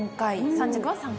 ３着は３回。